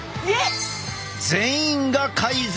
全員が改善！